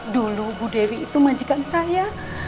dulu bu dewi itu majikan saya